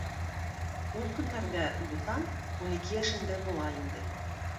Ул көннәрдә Дутан унике яшендә була инде.